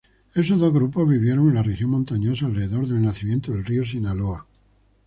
Esos dos grupos vivieron en la región montañosa alrededor del nacimiento del río Sinaloa.